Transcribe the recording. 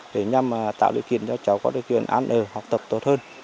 để nhằm tạo lựa kiện cho cháu có lựa kiện an ờ học tập tốt hơn